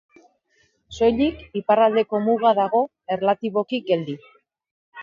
Soilik iparraldeko muga dago erlatiboki geldi.